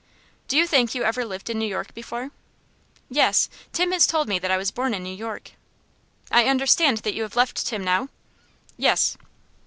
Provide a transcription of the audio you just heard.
"Do you think you ever lived in New York before?" "Yes; Tim has told me that I was born in New York." "I understand that you have left Tim now?" "Yes."